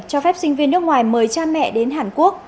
cho phép sinh viên nước ngoài mời cha mẹ đến hàn quốc